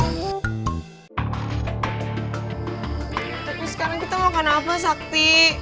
terus sekarang kita mau makan apa sakti